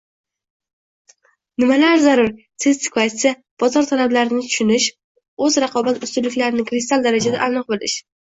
Nimalar zarur: sertifikatsiya, bozor talablarini tushunish, o‘z raqobat ustunliklarini kristall darajada aniq bilish